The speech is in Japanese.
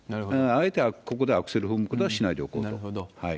あえてここでアクセルを踏むことはしないでおこうと。